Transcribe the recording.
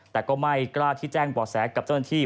แต่ก็ไม่กล้าที่แจ้งบ่อแสกับเจ้าหน้าที่